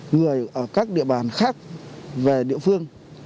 người ở các địa bàn khác về địa phương